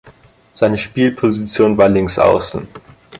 Seine Spielposition war Linksaußen.